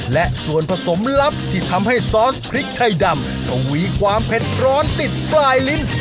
และส่วนผสมลับที่ทำให้ซอสพริกไทยดำทวีความเผ็ดร้อนติดปลายลิ้น